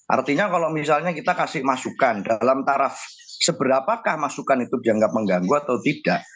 artinya kalau misalnya kita kasih masukan dalam taraf seberapakah masukan itu dianggap mengganggu atau tidak